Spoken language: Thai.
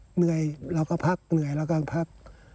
เหนื่อยเราก็พัก